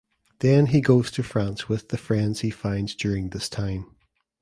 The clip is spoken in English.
Then he goes to France with the friends he finds during this time.